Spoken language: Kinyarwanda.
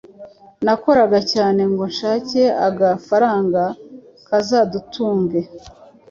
Nakoraga cyane ngo nshake agafaranga Kazadutunge,